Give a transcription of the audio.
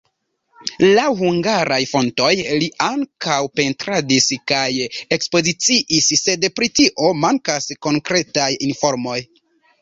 Laŭ hungaraj fontoj li ankaŭ pentradis kaj ekspoziciis, sed pri tio mankas konkretaj informoj.